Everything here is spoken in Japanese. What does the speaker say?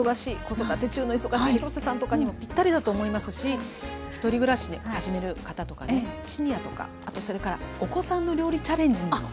子育て中の忙しい廣瀬さんとかにもぴったりだと思いますし１人暮らしを始める方とかシニアとかあとそれからお子さんの料理チャレンジにも。